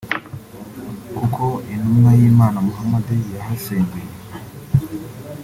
kuko Intumwa y’Imana Muhammad yahasengeye